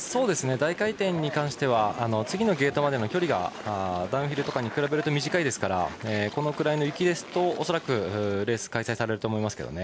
大回転に関しては次のゲートまでの距離がダウンヒルに比べると短いですからこのくらいの雪なら恐らくレースは開催されると思います。